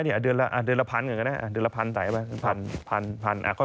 เดือนละพันเหรอเนี่ย